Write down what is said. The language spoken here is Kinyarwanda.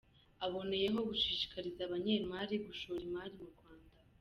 Aboneyeho gushishikariza abanyemari gushora imari mu Rwanda.